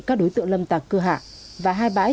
các đối tượng lâm tạc cưa hạ và hai bãi